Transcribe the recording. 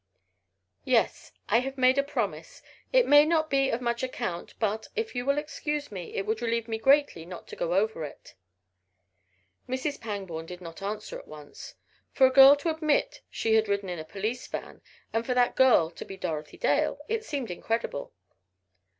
"Yes, I have made a promise. It may not be of much account, but, if you will excuse me, it would relieve me greatly not to go over it." Mrs. Pangborn did not answer at once. For a girl to admit she had ridden in a police van and for that girl to be Dorothy Dale! It seemed incredible.